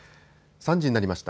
３時になりました。